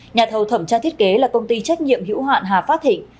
nhà thầu thẩm tra thiết kế là công ty trách nhiệm hữu hạn hà phát thịnh